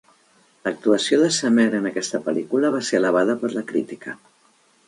L'actuació de Samaire en aquesta pel·lícula va ser alabada per la crítica.